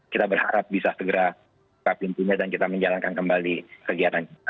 kita berharap bisa segera berhenti dan kita menjalankan kembali